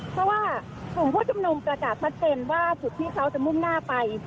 เพราะว่าสุ่มผู้จุดจุดหนุ่มก็จะจัดชัดเช่นว่าสุทธิ์ที่เขาจะมุ่มหน้าไป